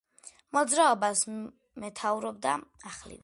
მოძრაობას მეთაურობდა ომის ვეტერანი მოჰამედ ომარი.